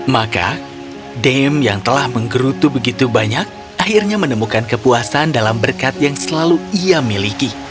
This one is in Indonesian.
maka dame yang telah menggerutu begitu banyak akhirnya menemukan kepuasan dalam berkat yang selalu ia miliki